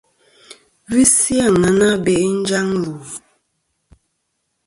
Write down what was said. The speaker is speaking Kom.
Visi àŋena be'i njaŋ lù.